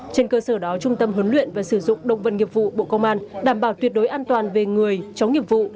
trên cơ sở đó trung tâm huấn luyện và sử dụng động vật nghiệp vụ bộ công an đảm bảo tuyệt đối an toàn về người chó nghiệp vụ